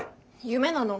夢なの。